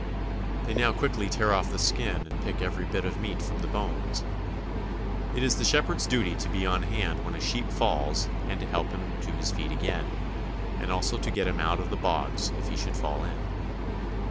They now quickly tear off the skin and pick every bit of meat from the bones. It is the shepherd's duty to be on hand when a sheep falls and to help him to his feet again, and also to get him out of the bogs if he should fall in.